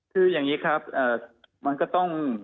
คืออย่างนี้ครับมันก็ต้อง